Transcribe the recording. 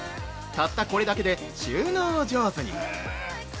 たったこれだけで収納上手に。